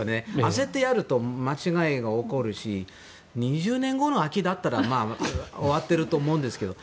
焦ってやると間違えが起こるし２０年後の秋だったら終わってると思うんですけど。